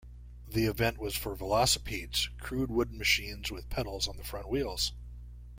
The event was for velocipedes, crude wooden machines with pedals on the front wheels.